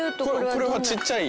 これはちっちゃい。